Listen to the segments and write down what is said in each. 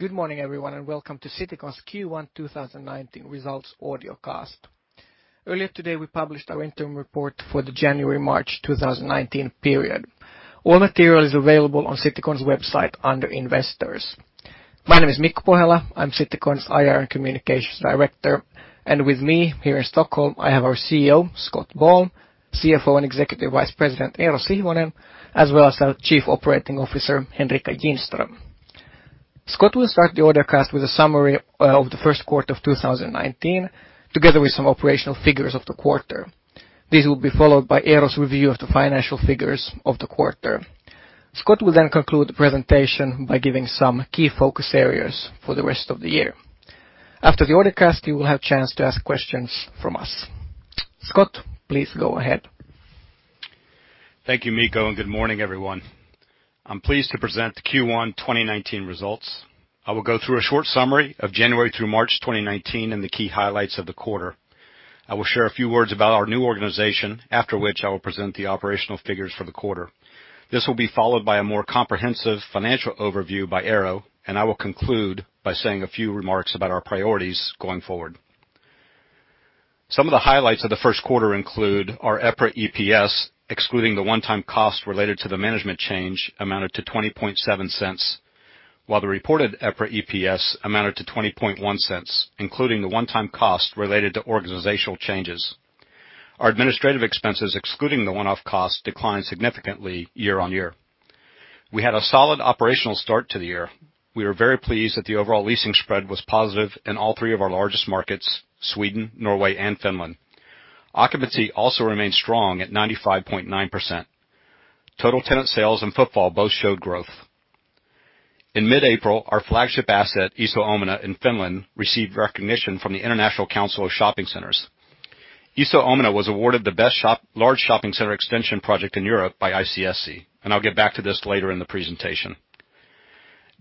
Good morning, everyone, and welcome to Citycon's Q1 2019 Results Audio Cast. Earlier today, we published our interim report for the January, March 2019 period. All material is available on Citycon's website under Investors. My name is Mikko Pohjala. I am Citycon's IR Communications Director. And with me here in Stockholm, I have our CEO, Scott Ball, CFO and Executive Vice President, Eero Sihvonen, as well as our Chief Operating Officer, Henrica Ginström. Scott will start the audio cast with a summary of the first quarter of 2019, together with some operational figures of the quarter. This will be followed by Eero's review of the financial figures of the quarter. Scott will conclude the presentation by giving some key focus areas for the rest of the year. After the audio cast, you will have chance to ask questions from us. Scott, please go ahead. Thank you, Mikko, and good morning, everyone. I am pleased to present the Q1 2019 results. I will go through a short summary of January through March 2019 and the key highlights of the quarter. I will share a few words about our new organization, after which I will present the operational figures for the quarter. This will be followed by a more comprehensive financial overview by Eero. I will conclude by saying a few remarks about our priorities going forward. Some of the highlights of the first quarter include our EPRA EPS, excluding the one-time cost related to the management change, amounted to 0.207, while the reported EPRA EPS amounted to 0.201, including the one-time cost related to organizational changes. Our administrative expenses, excluding the one-off cost, declined significantly year-on-year. We had a solid operational start to the year. We are very pleased that the overall leasing spread was positive in all three of our largest markets, Sweden, Norway, and Finland. Occupancy also remained strong at 95.9%. Total tenant sales and footfall both showed growth. In mid-April, our flagship asset, Iso Omena in Finland, received recognition from the International Council of Shopping Centers. Iso Omena was awarded the best large shopping center extension project in Europe by ICSC. I will get back to this later in the presentation.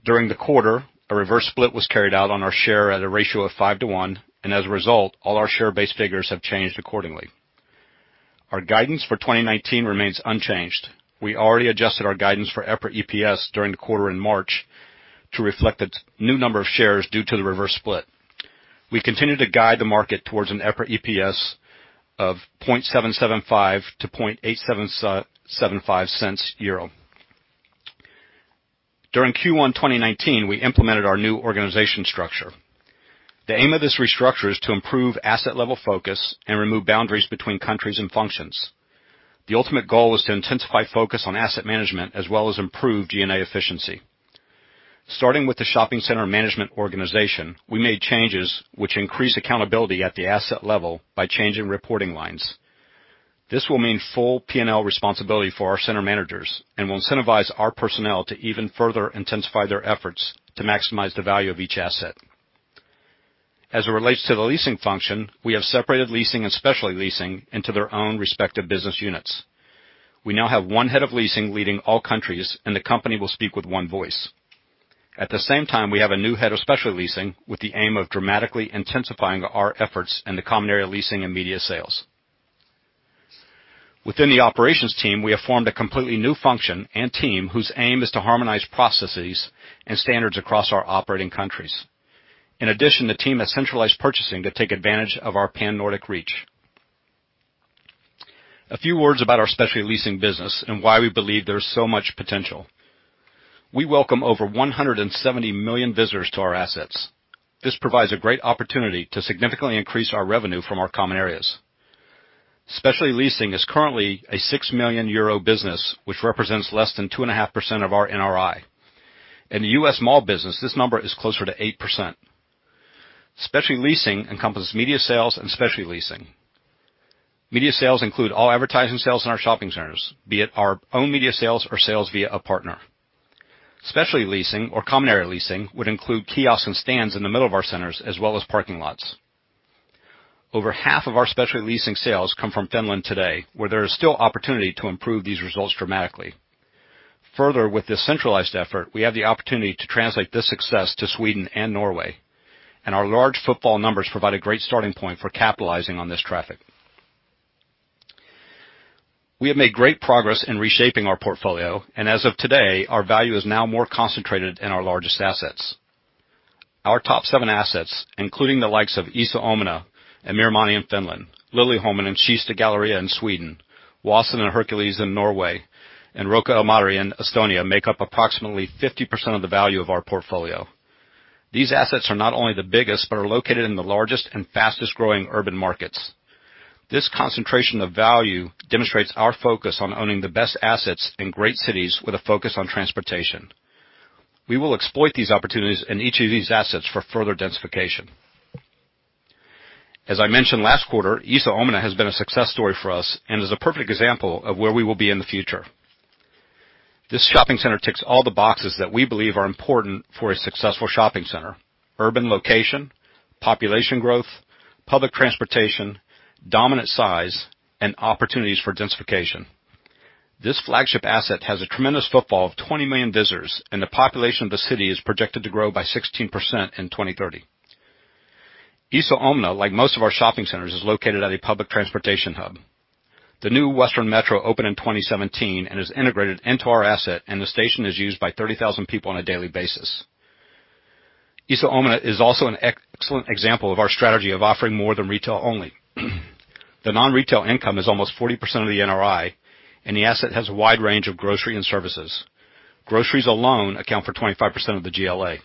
During the quarter, a reverse split was carried out on our share at a ratio of 5:1. As a result, all our share base figures have changed accordingly. Our guidance for 2019 remains unchanged. We already adjusted our guidance for EPRA EPS during the quarter in March to reflect the new number of shares due to the reverse split. We continue to guide the market towards an EPRA EPS of 0.775-0.875 euro. During Q1 2019, we implemented our new organization structure. The aim of this restructure is to improve asset level focus and remove boundaries between countries and functions. The ultimate goal is to intensify focus on asset management as well as improve G&A efficiency. Starting with the shopping center management organization, we made changes which increase accountability at the asset level by changing reporting lines. This will mean full P&L responsibility for our center managers. It will incentivize our personnel to even further intensify their efforts to maximize the value of each asset. As it relates to the leasing function, we have separated leasing and specialty leasing into their own respective business units. We now have one head of leasing leading all countries. The company will speak with one voice. At the same time, we have a new head of specialty leasing with the aim of dramatically intensifying our efforts in the common area leasing and media sales. Within the operations team, we have formed a completely new function and team whose aim is to harmonize processes and standards across our operating countries. In addition, the team has centralized purchasing to take advantage of our pan-Nordic reach. A few words about our specialty leasing business and why we believe there is so much potential. We welcome over 170 million visitors to our assets. This provides a great opportunity to significantly increase our revenue from our common areas. Specialty leasing is currently a 6 million euro business, which represents less than 2.5% of our NRI. In the U.S. mall business, this number is closer to 8%. Specialty leasing encompasses media sales and specialty leasing. Media sales include all advertising sales in our shopping centers, be it our own media sales or sales via a partner. Specialty leasing or common area leasing would include kiosks and stands in the middle of our centers, as well as parking lots. Over half of our specialty leasing sales come from Finland today, where there is still opportunity to improve these results dramatically. Further, with this centralized effort, we have the opportunity to translate this success to Sweden and Norway, and our large footfall numbers provide a great starting point for capitalizing on this traffic. We have made great progress in reshaping our portfolio, and as of today, our value is now more concentrated in our largest assets. Our top seven assets, including the likes of Iso Omena and Myyrmanni in Finland, Liljeholmen and Kista Galleria in Sweden, Buskerud and Herkules in Norway, and Rocca al Mare in Estonia, make up approximately 50% of the value of our portfolio. These assets are not only the biggest, but are located in the largest and fastest-growing urban markets. This concentration of value demonstrates our focus on owning the best assets in great cities with a focus on transportation. We will exploit these opportunities in each of these assets for further densification. As I mentioned last quarter, Iso Omena has been a success story for us and is a perfect example of where we will be in the future. This shopping center ticks all the boxes that we believe are important for a successful shopping center. Urban location, population growth, public transportation, dominant size, and opportunities for densification. This flagship asset has a tremendous footfall of 20 million visitors, and the population of the city is projected to grow by 16% in 2030. Iso Omena, like most of our shopping centers, is located at a public transportation hub. The new Western Metro opened in 2017 and is integrated into our asset, and the station is used by 30,000 people on a daily basis. Iso Omena is also an excellent example of our strategy of offering more than retail only. The non-retail income is almost 40% of the NRI, and the asset has a wide range of grocery and services. Groceries alone account for 25% of the GLA.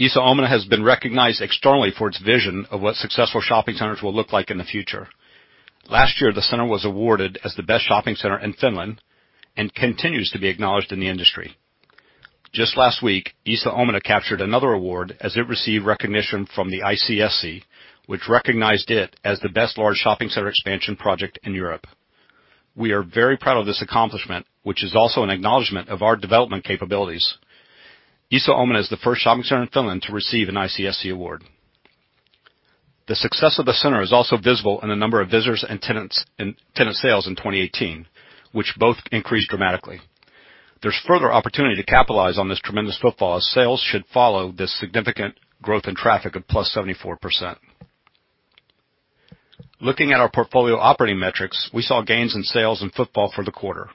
Iso Omena has been recognized externally for its vision of what successful shopping centers will look like in the future. Last year, the center was awarded as the best shopping center in Finland and continues to be acknowledged in the industry. Just last week, Iso Omena captured another award as it received recognition from the ICSC, which recognized it as the best large shopping center expansion project in Europe. We are very proud of this accomplishment, which is also an acknowledgment of our development capabilities. Iso Omena is the first shopping center in Finland to receive an ICSC award. The success of the center is also visible in the number of visitors and tenant sales in 2018, which both increased dramatically. There's further opportunity to capitalize on this tremendous footfall, as sales should follow this significant growth in traffic of +74%. Looking at our portfolio operating metrics, we saw gains in sales and footfall for the quarter.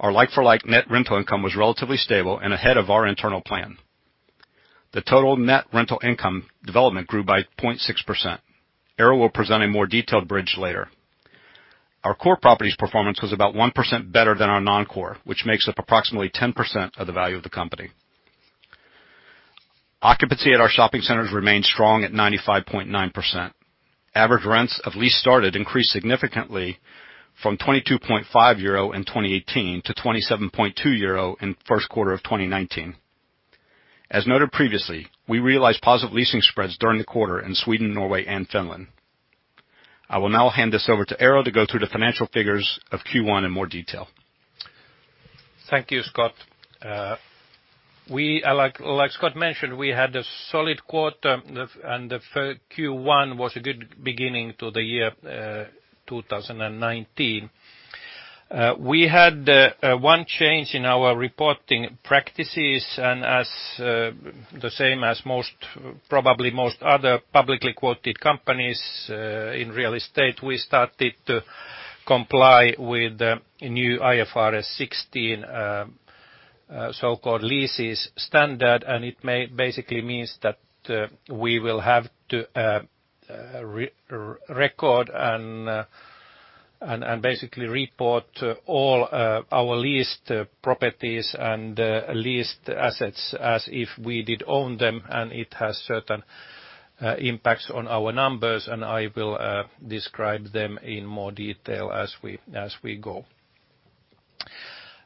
Our like-for-like net rental income was relatively stable and ahead of our internal plan. The total net rental income development grew by 0.6%. Eero will present a more detailed bridge later. Our core properties performance was about 1% better than our non-core, which makes up approximately 10% of the value of the company. Occupancy at our shopping centers remained strong at 95.9%. Average rents of lease started increased significantly from 22.5 euro in 2018-EUR 27.2 in the first quarter of 2019. As noted previously, we realized positive leasing spreads during the quarter in Sweden, Norway and Finland. I will now hand this over to Eero to go through the financial figures of Q1 in more detail. Thank you, Scott. Scott mentioned, we had a solid quarter, the Q1 was a good beginning to the year 2019. We had one change in our reporting practices, the same as probably most other publicly quoted companies in real estate, we started to comply with the new IFRS 16 so-called leases standard. It basically means that we will have to record and basically report all our leased properties and leased assets as if we did own them. It has certain impacts on our numbers, I will describe them in more detail as we go.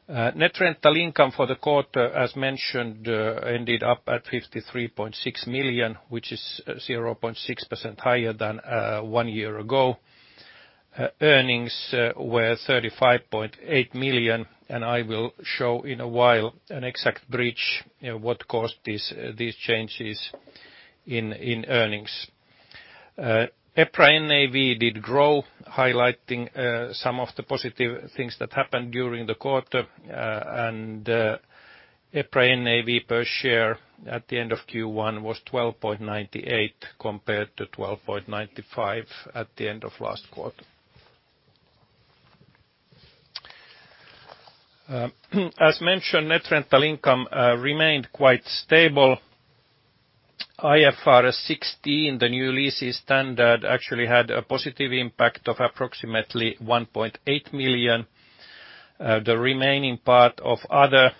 Net rental income for the quarter, as mentioned, ended up at 53.6 million, which is 0.6% higher than one year ago. Earnings were 35.8 million. I will show in a while an exact bridge what caused these changes in earnings. EPRA NAV did grow, highlighting some of the positive things that happened during the quarter. EPRA NAV per share at the end of Q1 was 12.98 compared to 12.95 at the end of last quarter. As mentioned, net rental income remained quite stable. IFRS 16, the new leases standard, actually had a positive impact of approximately 1.8 million. The remaining part of other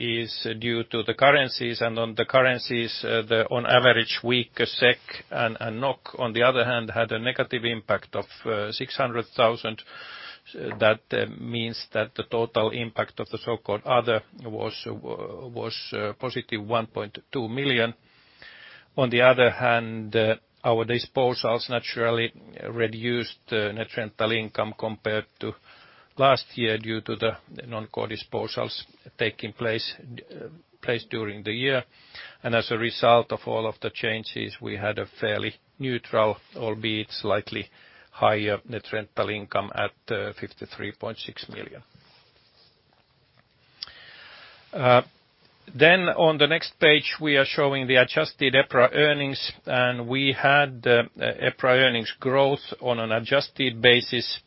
is due to the currencies. On the currencies, the on average weaker SEK and NOK, on the other hand, had a negative impact of 600,000. That means that the total impact of the so-called other was a positive 1.2 million. On the other hand, our disposals naturally reduced net rental income compared to last year due to the non-core disposals taking place during the year. As a result of all of the changes, we had a fairly neutral, albeit slightly higher net rental income at 53.6 million. On the next page, we are showing the adjusted EPRA earnings. We had EPRA earnings growth on an adjusted basis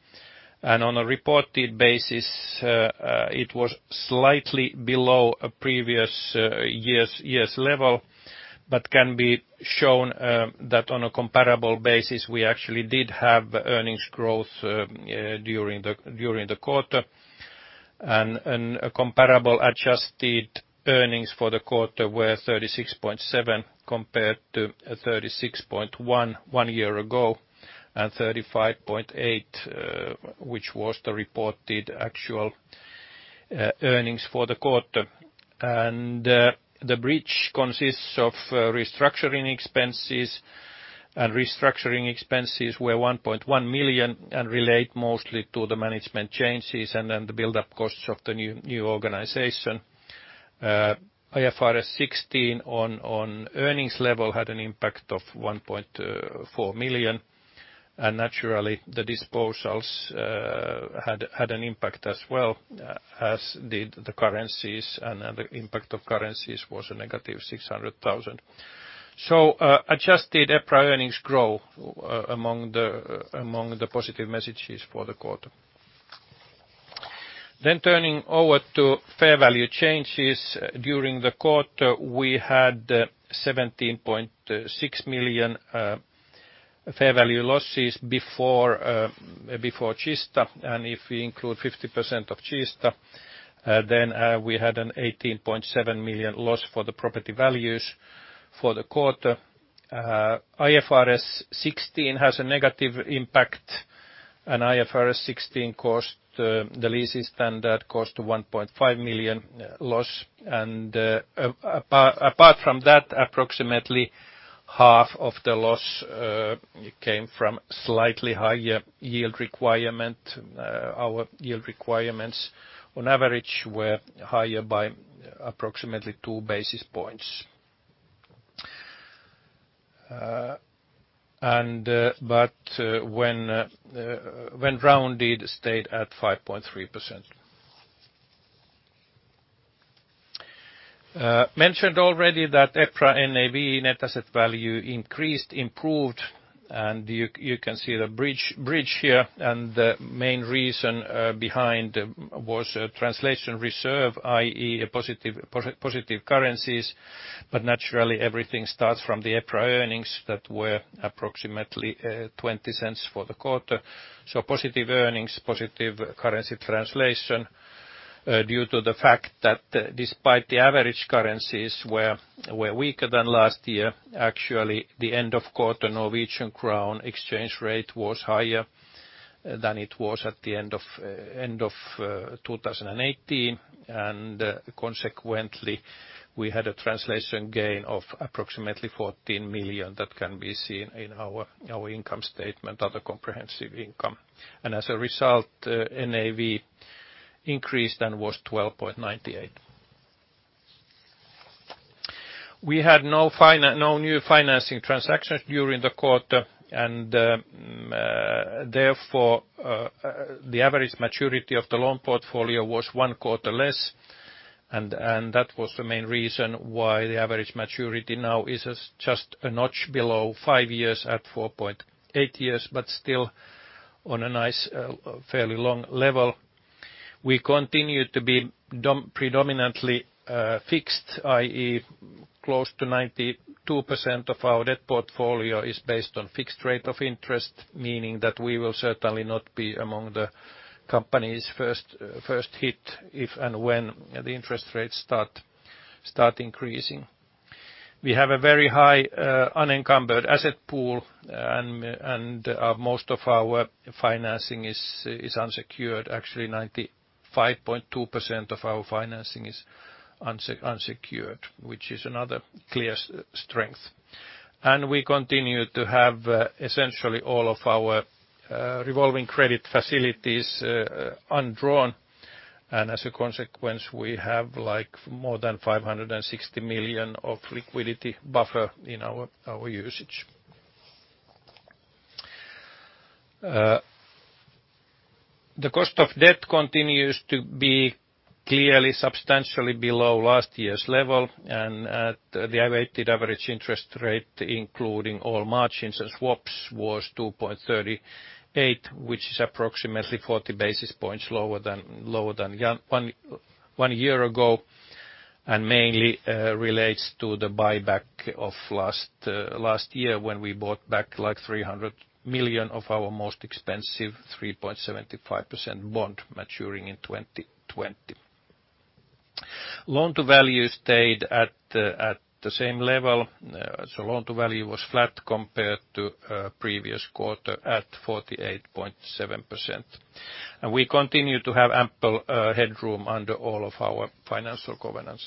and on a reported basis, it was slightly below a previous year's level. Can be shown that on a comparable basis, we actually did have earnings growth during the quarter. Comparable adjusted earnings for the quarter were 36.7 compared to 36.1 one year ago and 35.8, which was the reported actual earnings for the quarter. The bridge consists of restructuring expenses. Restructuring expenses were 1.1 million and relate mostly to the management changes and then the buildup costs of the new organization. IFRS 16 on earnings level had an impact of 1.4 million. Naturally, the disposals had an impact as well, as did the currencies. The impact of currencies was a negative 600,000. Adjusted EPRA earnings grow among the positive messages for the quarter. Turning over to fair value changes during the quarter, we had 17.6 million fair value losses before Kista. If we include 50% of Kista, we had an 18.7 million loss for the property values for the quarter. IFRS 16 has a negative impact. IFRS 16 cost the leasing standard, cost 1.5 million loss. Apart from that, approximately half of the loss came from slightly higher yield requirement. Our yield requirements on average were higher by approximately two basis points. When rounded, stayed at 5.3%. Mentioned already that EPRA NAV net asset value increased, improved. You can see the bridge here. The main reason behind was a translation reserve, i.e., positive currencies. Naturally, everything starts from the EPRA earnings that were approximately 0.20 for the quarter. Positive earnings, positive currency translation, due to the fact that despite the average currencies were weaker than last year, actually, the end of quarter NOK exchange rate was higher than it was at the end of 2018. Consequently, we had a translation gain of approximately 14 million that can be seen in our income statement, other comprehensive income. As a result, NAV increased and was 12.98. We had no new financing transactions during the quarter. Therefore, the average maturity of the loan portfolio was one quarter less. That was the main reason why the average maturity now is just a notch below five years at 4.8 years, still on a nice, fairly long level. We continue to be predominantly fixed, i.e., close to 92% of our debt portfolio is based on fixed rate of interest, meaning that we will certainly not be among the companies first hit if and when the interest rates start increasing. We have a very high unencumbered asset pool and most of our financing is unsecured. Actually, 95.2% of our financing is unsecured, which is another clear strength. We continue to have essentially all of our revolving credit facilities undrawn. As a consequence, we have more than 560 million of liquidity buffer in our usage. The cost of debt continues to be clearly substantially below last year's level, the weighted average interest rate, including all margins and swaps, was 2.38, which is approximately 40 basis points lower than one year ago and mainly relates to the buyback of last year when we bought back 300 million of our most expensive 3.75% bond maturing in 2020. Loan-to-value stayed at the same level. Loan-to-value was flat compared to previous quarter at 48.7%. We continue to have ample headroom under all of our financial governance.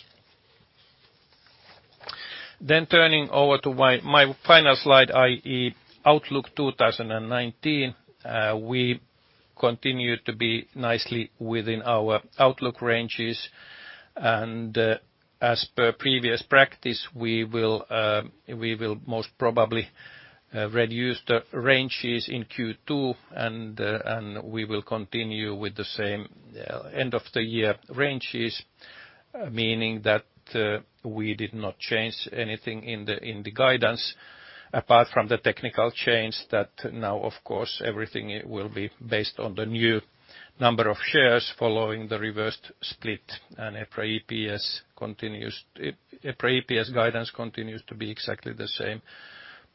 Turning over to my final slide, i.e., outlook 2019. We continue to be nicely within our outlook ranges as per previous practice, we will most probably reduce the ranges in Q2 and we will continue with the same end of the year ranges, meaning that we did not change anything in the guidance apart from the technical change that now of course everything will be based on the new number of shares following the reverse split and EPRA EPS guidance continues to be exactly the same,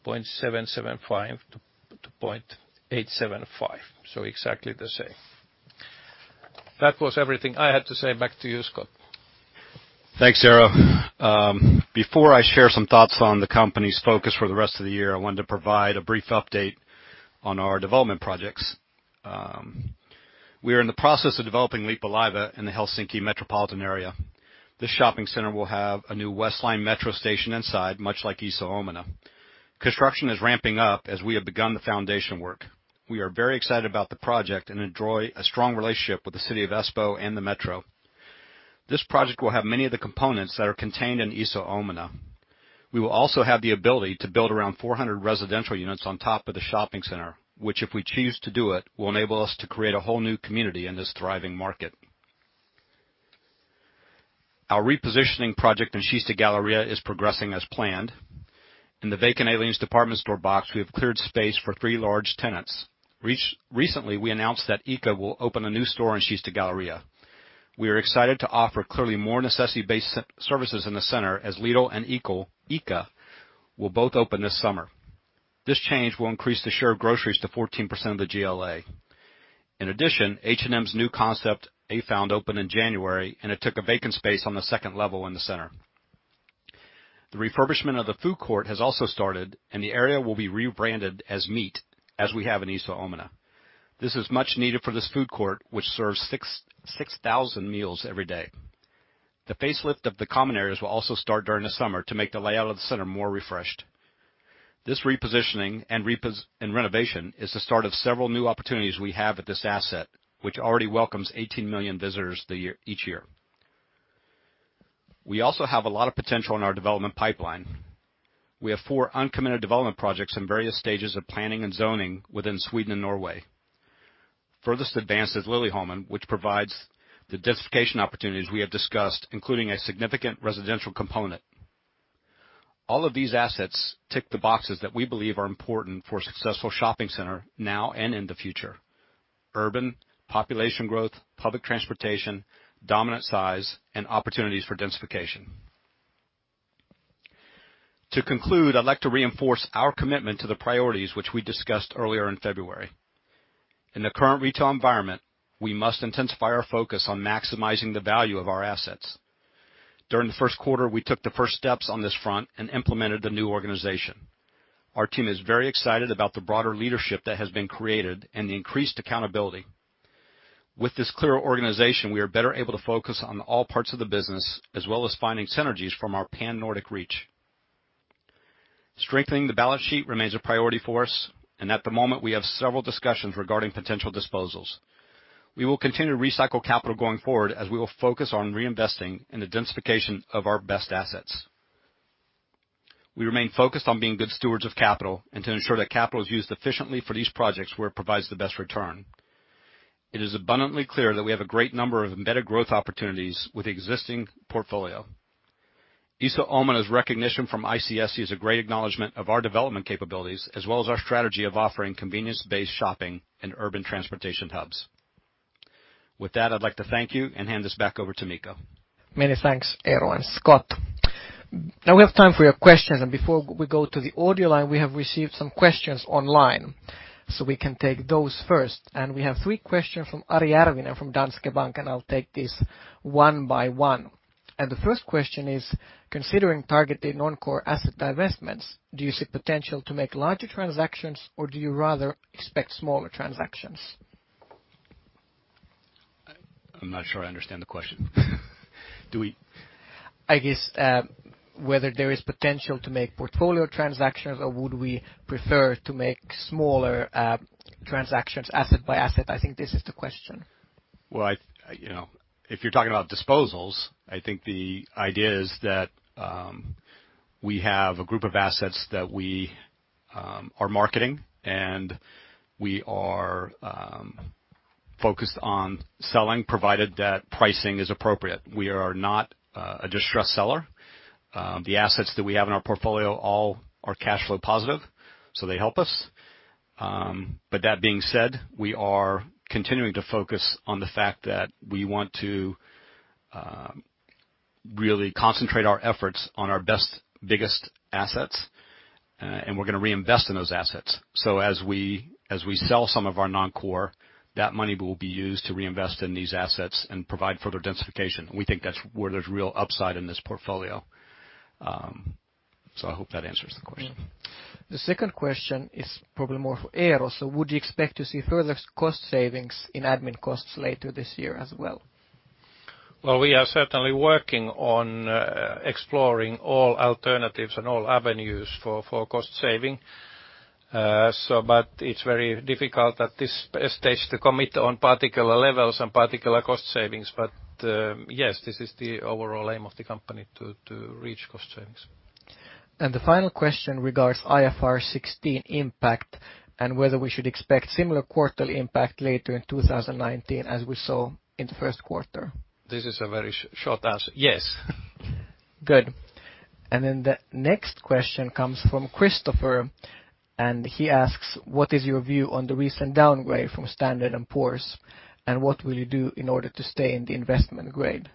0.775-0.875. Exactly the same. That was everything I had to say. Back to you, Scott. Thanks, Eero. Before I share some thoughts on the company's focus for the rest of the year, I wanted to provide a brief update on our development projects. We are in the process of developing Leppävaara in the Helsinki metropolitan area. This shopping center will have a new West Metro station inside, much like Iso Omena. Construction is ramping up as we have begun the foundation work. We are very excited about the project and enjoy a strong relationship with the city of Espoo and the metro. This project will have many of the components that are contained in Iso Omena. We will also have the ability to build around 400 residential units on top of the shopping center, which, if we choose to do it, will enable us to create a whole new community in this thriving market. Our repositioning project in Kista Galleria is progressing as planned. In the vacant H&M department store box, we have cleared space for three large tenants. Recently, we announced that ICA will open a new store in Kista Galleria. We are excited to offer clearly more necessity-based services in the center as Lidl and ICA will both open this summer. This change will increase the share of groceries to 14% of the GLA. In addition, H&M's new concept, Afound, opened in January, and it took a vacant space on the second level in the center. The refurbishment of the food court has also started, and the area will be rebranded as Meet, as we have in Iso Omena. This is much needed for this food court, which serves 6,000 meals every day. The facelift of the common areas will also start during the summer to make the layout of the center more refreshed. This repositioning and renovation is the start of several new opportunities we have at this asset, which already welcomes 18 million visitors each year. We also have a lot of potential in our development pipeline. We have four uncommitted development projects in various stages of planning and zoning within Sweden and Norway. Furthest advanced is Liljeholmen, which provides the densification opportunities we have discussed, including a significant residential component. All of these assets tick the boxes that we believe are important for a successful shopping center now and in the future: urban, population growth, public transportation, dominant size, and opportunities for densification. To conclude, I'd like to reinforce our commitment to the priorities which we discussed earlier in February. In the current retail environment, we must intensify our focus on maximizing the value of our assets. During the first quarter, we took the first steps on this front and implemented the new organization. Our team is very excited about the broader leadership that has been created and the increased accountability. With this clearer organization, we are better able to focus on all parts of the business, as well as finding synergies from our pan-Nordic reach. Strengthening the balance sheet remains a priority for us. At the moment, we have several discussions regarding potential disposals. We will continue to recycle capital going forward as we will focus on reinvesting in the densification of our best assets. We remain focused on being good stewards of capital and to ensure that capital is used efficiently for these projects where it provides the best return. It is abundantly clear that we have a great number of embedded growth opportunities with the existing portfolio. Iso Omena's recognition from ICSC is a great acknowledgment of our development capabilities, as well as our strategy of offering convenience-based shopping in urban transportation hubs. With that, I'd like to thank you and hand this back over to Mikko. Many thanks, Eero and Scott. Now we have time for your questions. Before we go to the audio line, we have received some questions online. We can take those first. We have three questions from Ari Järvinen from Danske Bank. I'll take these one by one. The first question is: considering targeted non-core asset divestments, do you see potential to make larger transactions, or do you rather expect smaller transactions? I'm not sure I understand the question. I guess, whether there is potential to make portfolio transactions or would we prefer to make smaller transactions asset by asset? I think this is the question. Well, if you're talking about disposals, I think the idea is that we have a group of assets that we are marketing, and we are focused on selling, provided that pricing is appropriate. We are not a distressed seller. The assets that we have in our portfolio all are cash flow positive, so they help us. That being said, we are continuing to focus on the fact that we want to really concentrate our efforts on our best, biggest assets, and we're going to reinvest in those assets. As we sell some of our non-core, that money will be used to reinvest in these assets and provide further densification. We think that's where there's real upside in this portfolio. I hope that answers the question. The second question is probably more for Eero. Would you expect to see further cost savings in admin costs later this year as well? We are certainly working on exploring all alternatives and all avenues for cost saving. It's very difficult at this stage to commit on particular levels and particular cost savings. Yes, this is the overall aim of the company, to reach cost savings. The final question regards IFRS 16 impact and whether we should expect similar quarterly impact later in 2019 as we saw in the first quarter. This is a very short answer. Yes. Good. The next question comes from Christopher, and he asks: what is your view on the recent downgrade from Standard & Poor's, and what will you do in order to stay in the investment grade?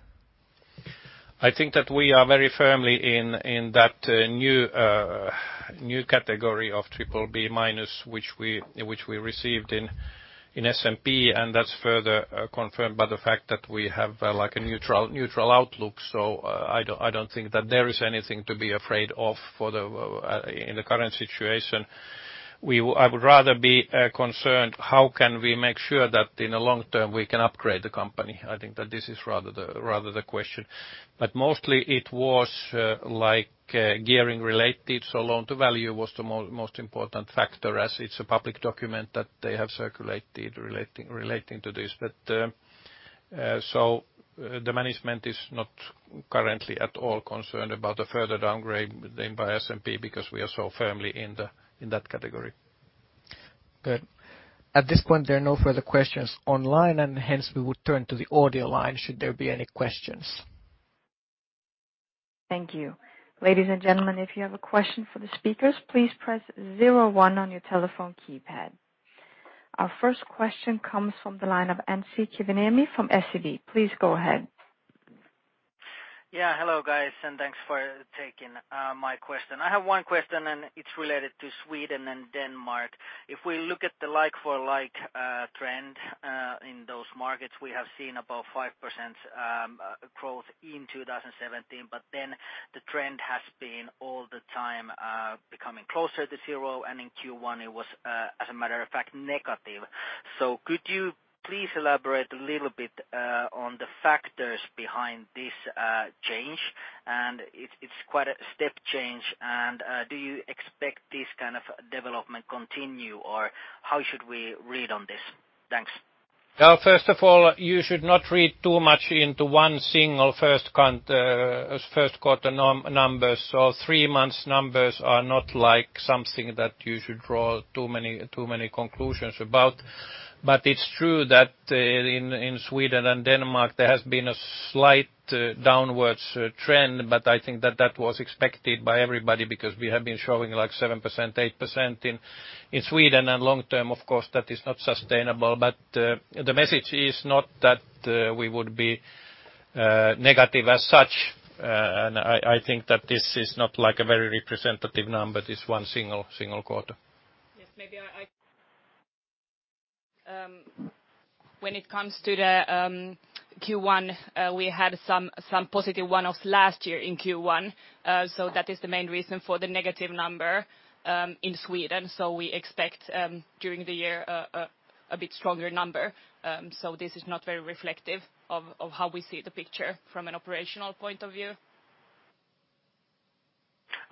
I think that we are very firmly in that new category of BBB-, which we received in S&P, and that's further confirmed by the fact that we have a neutral outlook. I don't think that there is anything to be afraid of in the current situation. I would rather be concerned how can we make sure that in the long term we can upgrade the company. I think that this is rather the question. Mostly it was gearing related, so loan-to-value was the most important factor as it's a public document that they have circulated relating to this. The management is not currently at all concerned about a further downgrade by S&P because we are so firmly in that category. Good. At this point, there are no further questions online, hence we would turn to the audio line should there be any questions. Thank you. Ladies and gentlemen, if you have a question for the speakers, please press zero one on your telephone keypad. Our first question comes from the line of Anssi Kiviniemi from SEB. Please go ahead. Hello, guys, thanks for taking my question. I have one question, it's related to Sweden and Denmark. If we look at the like-for-like trend in those markets, we have seen about 5% growth in 2017. The trend has been all the time becoming closer to zero, and in Q1 it was, as a matter of fact, negative. Could you please elaborate a little bit on the factors behind this change? It's quite a step change. Do you expect this kind of development continue, or how should we read on this? Thanks. First of all, you should not read too much into one single first quarter numbers. Three months numbers are not something that you should draw too many conclusions about. It's true that in Sweden and Denmark, there has been a slight downwards trend, but I think that that was expected by everybody because we have been showing 7%, 8% in Sweden, long term, of course, that is not sustainable. The message is not that we would be negative as such. I think that this is not a very representative number, this one single quarter. Yes, maybe. When it comes to Q1, we had some positive one-offs last year in Q1. That is the main reason for the negative number in Sweden. We expect during the year a bit stronger number. This is not very reflective of how we see the picture from an operational point of view.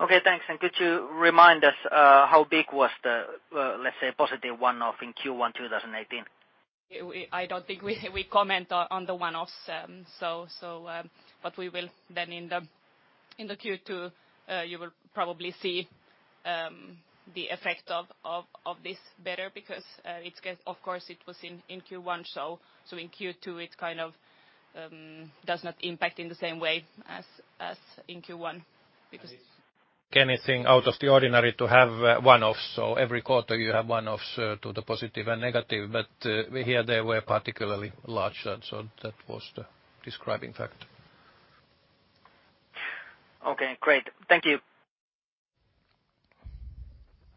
Okay, thanks. Could you remind us how big was the, let's say, positive one-off in Q1 2018? I don't think we comment on the one-offs. We will then in Q2, you will probably see the effect of this better because, of course, it was in Q1, in Q2 it kind of does not impact in the same way as in Q1. Anything out of the ordinary to have one-offs. Every quarter you have one-offs to the positive and negative, here they were particularly large, that was the describing fact. Okay, great. Thank you.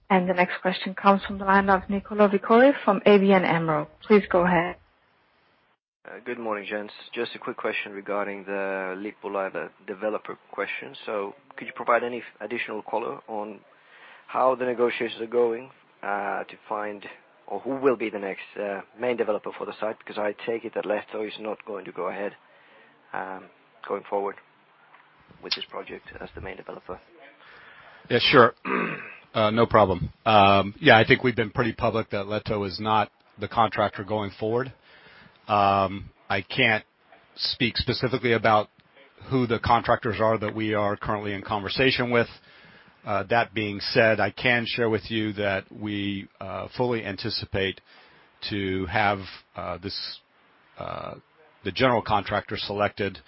The next question comes from the line of Nicolò De-Vicoli from ABN AMRO. Please go ahead. Good morning, gents. Just a quick question regarding the Lippulaiva developer question. Could you provide any additional color on how the negotiations are going to find or who will be the next main developer for the site? I take it that Lehto is not going to go ahead going forward with this project as the main developer. Yeah, sure. No problem. I think we've been pretty public that Lehto is not the contractor going forward. I can't speak specifically about who the contractors are that we are currently in conversation with. That being said, I can share with you that we fully anticipate to have the general contractor selected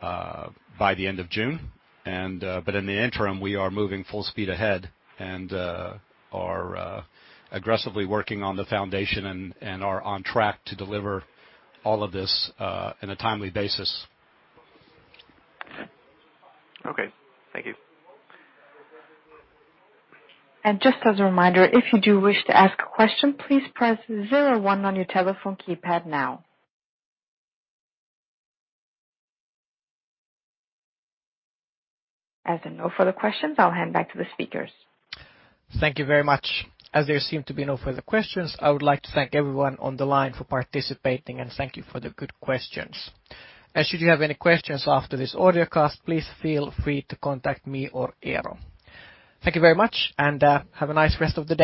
by the end of June. In the interim, we are moving full speed ahead and are aggressively working on the foundation and are on track to deliver all of this in a timely basis. Okay. Thank you. Just as a reminder, if you do wish to ask a question, please press zero one on your telephone keypad now. As there are no further questions, I'll hand back to the speakers. Thank you very much. As there seem to be no further questions, I would like to thank everyone on the line for participating, and thank you for the good questions. Should you have any questions after this audio cast, please feel free to contact me or Eero. Thank you very much, and have a nice rest of the day